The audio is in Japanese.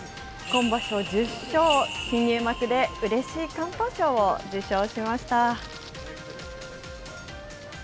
今場所１０勝、新入幕でうれしい敢闘賞を受賞しました。